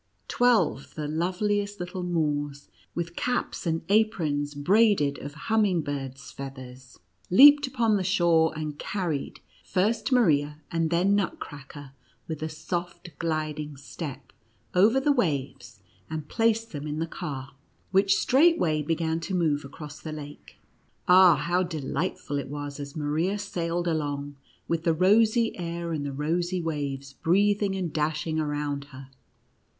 Twelve of the loveliest little Moors, with caps and aprons braided of humming bird's feathers, 116 NTTTCEACKEE AINTD MOtJSE KESTG. leaped upon the shore, and carried, first Marin, and then Nutcracker, with a soft, gliding step, over the waves, and placed them in the car, which straightway began to move across the lake. Ah, how delightful it was as Maria sailed along, with the rosy air and the rosy waves breathing and dashing around her